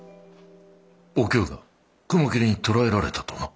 お京が雲霧に捕らえられたとな？